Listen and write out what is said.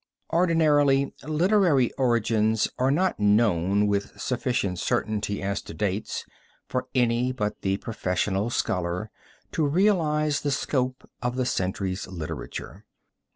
Ordinarily literary origins are not known with sufficient certainty as to dates for any but the professional scholar to realize the scope of the century's literature.